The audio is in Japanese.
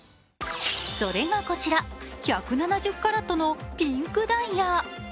それがこちら、１７０カラットのピンクダイヤ。